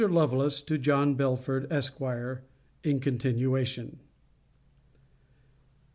LOVELACE, TO JOHN BELFORD, ESQ. [IN CONTINUATION.